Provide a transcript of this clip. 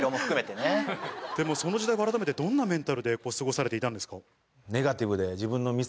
その時代はあらためてどんなメンタルで過ごされていたんですか？